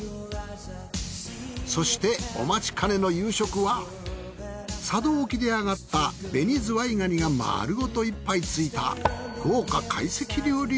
そしてお待ちかねの夕食は佐渡沖であがった紅ズワイ蟹が丸ごと１杯ついた豪華会席料理。